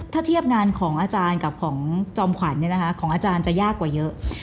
ถ้าเทียบงานของอาจารย์กับของจอมขวัญของอาจารย์จะยากกว่าเยอะ